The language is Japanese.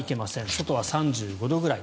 外は３５度ぐらい。